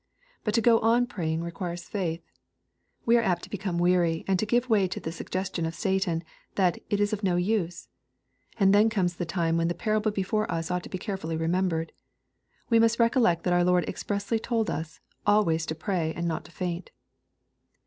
But to go on pray ing requires faith. We are apt to become weary, and to give way to the suggestion of Satan, that " it is of no use." And then comes the time when the parable before us ought to be carefully remembered. We must recollect that our Lord expressly told us " always to pray and not to faint.''